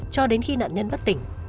cho đến khi nạn nhân bất tỉnh